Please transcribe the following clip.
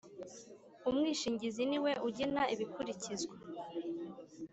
Umwishingizi niwe ujyena ibikurikizwa.